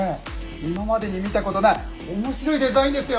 今までに見たことない面白いデザインですよ。